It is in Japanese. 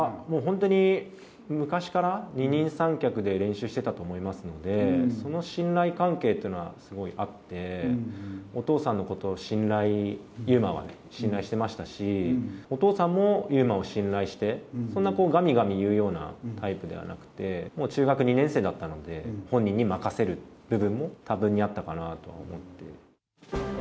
もう本当に昔から、二人三脚で練習してたと思いますので、その信頼関係っていうのはすごいあって、お父さんのことを信頼、優真はね、信頼してましたし、お父さんも優真を信頼して、そんな、がみがみ言うようなタイプではなくて、もう中学２年生だったので、本人に任せる部分も多分にあったかなとは思っています。